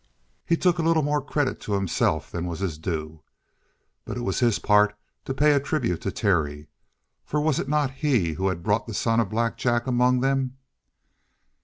He took a little more credit to himself than was his due. But it was his part to pay a tribute to Terry. For was it not he who had brought the son of Black Jack among them?